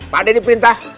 pak deh ini perintah